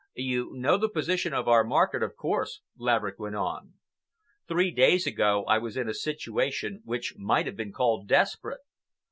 "You know the position of our market, of course," Laverick went on. "Three days ago I was in a situation which might have been called desperate.